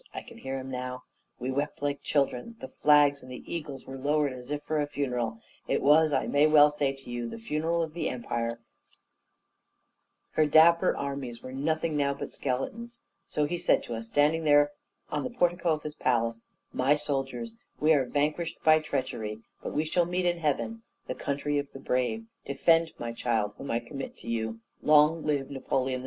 I can hear him now; we wept like children; the flags and the eagles were lowered as if for a funeral: it was, I may well say it to you, it was the funeral of the Empire; her dapper armies were nothing now but skeletons. So he said to us, standing there on the portico of his palace: 'My soldiers! we are vanquished by treachery; but we shall meet in heaven, the country of the brave. Defend my child, whom I commit to you. Long live Napoleon II!'